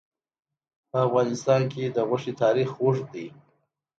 په افغانستان کې د غوښې تاریخ اوږد دی.